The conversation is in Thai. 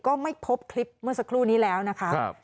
ก็ไม่พบคลิปเมื่อสักครู่นี้แล้วนะคะ